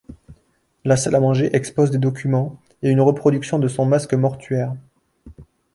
La salle à manger expose des documents et une reproduction de son masque mortuaire.